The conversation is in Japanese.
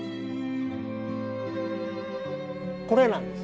これなんです。